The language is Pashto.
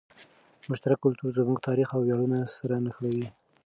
مشترک کلتور زموږ تاریخ او ویاړونه سره نښلوي.